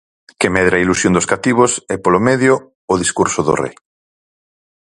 Que medre a ilusión dos cativos e polo medio, o discurso do Rei.